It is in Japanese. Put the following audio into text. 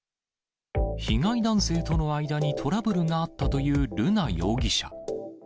被害男性との間にトラブルがあったという瑠奈容疑者。